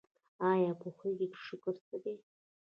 ایا پوهیږئ چې شکر څه دی؟